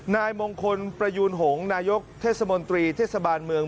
นายมงคลประยูนหงษ์นายกเทศมนตรีเทศบาลเมือง